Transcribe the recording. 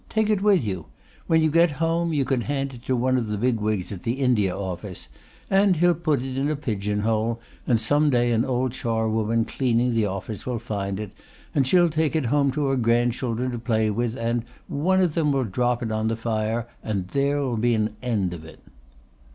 "Take it with you. When you get home you can hand it to one of the big wigs at the India Office, and he'll put it in a pigeon hole, and some day an old charwoman cleaning the office will find it, and she'll take it home to her grandchildren to play with and one of them'll drop it on the fire, and there'll be an end of it."